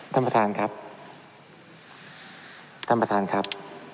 ท่านประธานครับจริงมั้ย